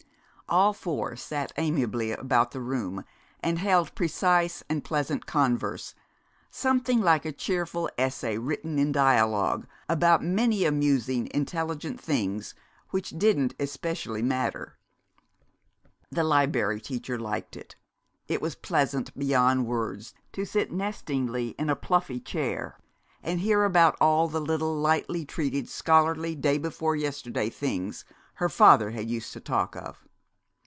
All four sat amiably about the room and held precise and pleasant converse, something like a cheerful essay written in dialogue, about many amusing, intelligent things which didn't especially matter. The Liberry Teacher liked it. It was pleasant beyond words to sit nestlingly in a pluffy chair, and hear about all the little lightly treated scholarly day before yesterday things her father had used to talk of.